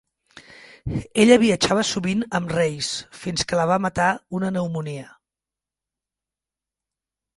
Ella viatjava sovint amb Race fins que la va matar una pneumònia.